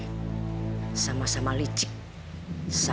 " iris iris dalam seyang bidang mata "